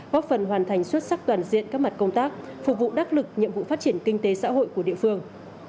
góp phần hoàn thành xuất sắc toàn diện các mặt công tác phục vụ đắc lực nhiệm vụ phát triển kinh tế xã hội của địa phương